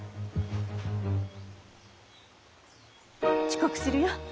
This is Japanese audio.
遅刻するよ。